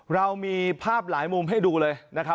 เรามีภาพหลายมุมให้ดูเลยนะครับ